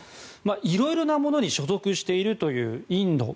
色々なものに所属しているというインド。